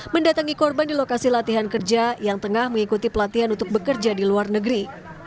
mendatangi korban di lokasi latihan kerja yang tengah mengikuti pelatihan untuk bekerja di luar negeri